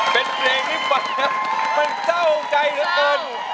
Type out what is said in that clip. เป็นเพลงที่เปิดแล้วเป็นเจ้าใกล้ละเอิญ